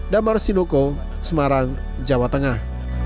damar sinoko semarang jawa tengah